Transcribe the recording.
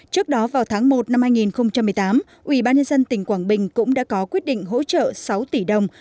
trước đó vào tháng một năm hai nghìn một mươi tám ubnd tỉnh quảng bình cũng đã có quyết định hỗ trợ sáu tỷ đồng